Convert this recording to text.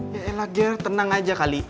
ya elah ger tenang aja kali